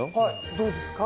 どうですか？